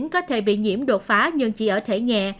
có thể bị nhiễm đột phá nhưng chỉ ở thể nhẹ